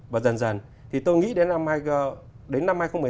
và dần dần thì tôi nghĩ đến năm